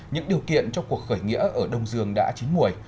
những điều kiện cho cuộc khởi nghĩa ở đông dương đã chín mùi